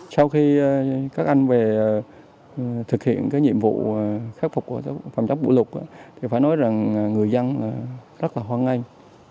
sau khi các anh về thực hiện cái nhiệm vụ khắc phục phòng chống bụi lụt thì phải nói rằng người dân rất là hoan nghênh